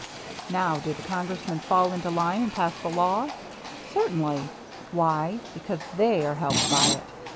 Now do the Congressmen fall into line and pass the law ? Certainly. Why ? Because they are helped by it.